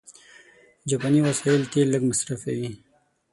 جاپاني وسایل تېل لږ مصرفوي.